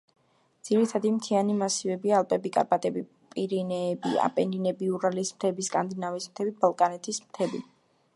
ძირითადი მთიანი მასივებია: ალპები, კარპატები, პირენეები, აპენინები, ურალის მთები, სკანდინავიის მთები, ბალკანეთის მთები.